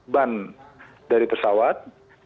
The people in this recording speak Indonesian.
ban dari pesawat